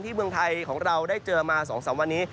เมืองไทยของเราได้เจอมา๒๓วันนี้